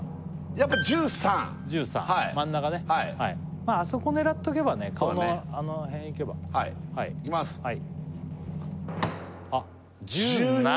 やっぱ１３１３真ん中ねはいあそこ狙っとけばね顔のあの辺いけばはいいきますあっ１７１２？